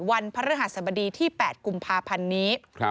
พระฤหัสบดีที่๘กุมภาพันธ์นี้